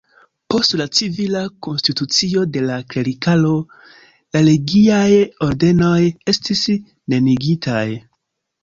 Post la civila konstitucio de la klerikaro, la religiaj ordenoj estis neniigitaj.